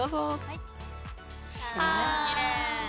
きれい。